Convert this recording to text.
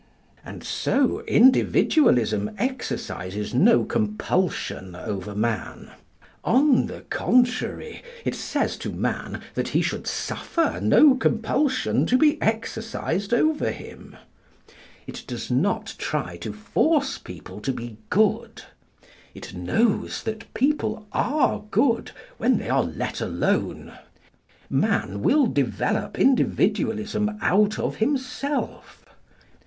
And so Individualism exercises no compulsion over man. On the contrary, it says to man that he should suffer no compulsion to be exercised over him. It does not try to force people to be good. It knows that people are good when they are let alone. Man will develop Individualism out of himself.